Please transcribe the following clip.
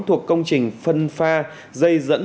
thuộc công trình phân pha dây dẫn